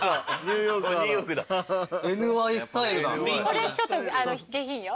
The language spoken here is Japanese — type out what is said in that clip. これちょっと下品よ。